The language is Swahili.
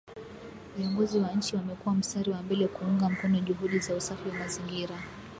Viongozi wa nchi wamekuwa mstari wa mbele kuunga mkono juhudi za usafi wa mazingira